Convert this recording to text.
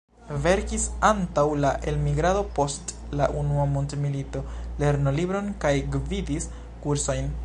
Verkis antaŭ la elmigrado post la Unua Mondmilito lernolibron kaj gvidis kursojn.